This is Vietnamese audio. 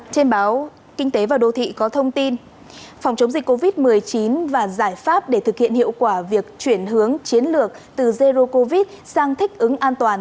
trên báo kinh tế và đô thị có thông tin phòng chống dịch covid một mươi chín và giải pháp để thực hiện hiệu quả việc chuyển hướng chiến lược từ zero covid sang thích ứng an toàn